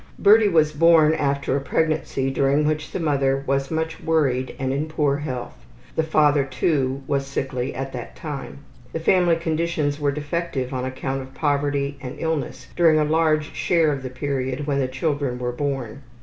Birdie was born after a pregnancy during which the mother was much worried and in poor health. The father, too, was sickly at that time. The family conditions were defective on account of poverty and illness during a large share of the period when the children were born.